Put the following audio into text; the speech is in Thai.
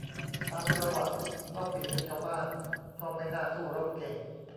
ตามประวัติเล่าปี่เป็นชาวบ้าน ก็ไม่น่าสู้รบเก่ง